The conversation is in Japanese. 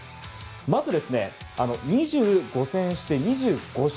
まず、２５戦して２５勝。